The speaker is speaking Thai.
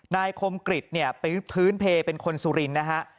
คมกริจเนี่ยเป็นพื้นเพลเป็นคนสุรินทร์นะฮะ